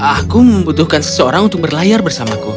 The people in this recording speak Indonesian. aku membutuhkan seseorang untuk berlayar bersamaku